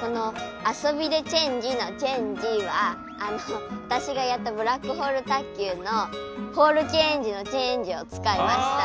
この「遊びでチェンジ」の「チェンジ」は私がやったブラックホール卓球のホールチェンジの「チェンジ」を使いました。